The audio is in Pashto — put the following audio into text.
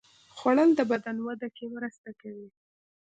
خوړل د بدن وده کې مرسته کوي